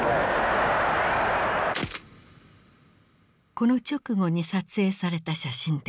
この直後に撮影された写真である。